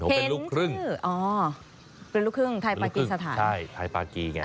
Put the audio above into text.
ผมเป็นลูกครึ่งอ๋อเป็นลูกครึ่งไทยปากีสถานใช่ไทยปากีไง